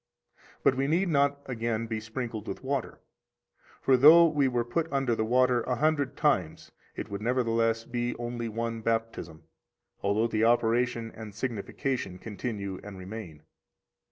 78 But we need not again be sprinkled with water; for though we were put under the water a hundred times, it would nevertheless be only one Baptism, although the operation and signification continue and remain.